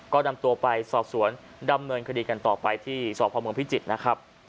ก็นำตัวไปสอบสวนดำเนินคดีกันต่อไปที่สพเมืองพิจิตรนะครับ